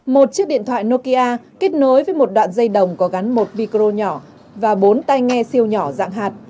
một chiếc điện thoại nokia kết nối với một đoạn dây đồng có gắn một viko nhỏ và bốn tay nghe siêu nhỏ dạng hạt